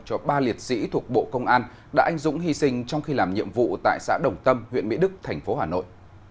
cho ba liệt sĩ thuộc bộ công an đã anh dũng hy sinh trong khi làm nhiệm vụ tại xã đồng tâm huyện mỹ đức thành phố hà nội